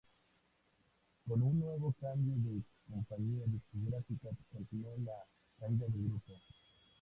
Con un nuevo cambio de compañía discográfica continuó la caída del grupo.